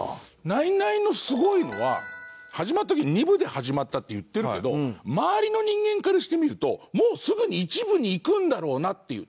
ナイナイのすごいのは始まった時２部で始まったっていってるけど周りの人間からしてみるともうすぐに１部にいくんだろうなっていう。